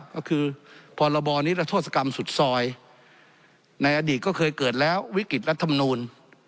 ก็คือพรบนิรโทษกรรมสุดซอยในอดีตก็เคยเกิดแล้ววิกฤตรัฐมนูล